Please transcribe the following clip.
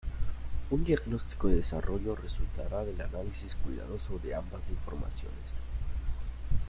Un diagnóstico de desarrollo resultará del análisis cuidadoso de ambas informaciones.